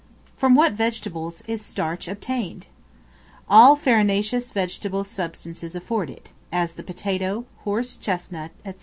From what vegetables is Starch obtained? All farinaceous vegetable substances afford it, as the potato, horse chestnut, &c.